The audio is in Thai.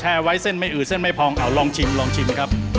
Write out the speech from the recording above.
เอาไว้เส้นไม่อืดเส้นไม่พองเอาลองชิมลองชิมนะครับ